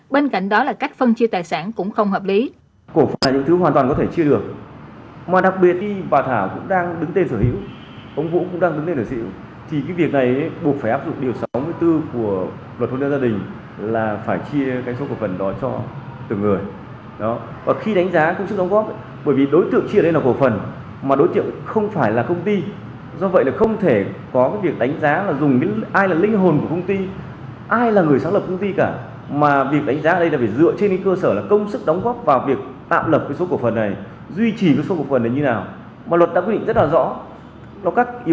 bên cạnh đó là các phân chia tài sản cũng không hợp lý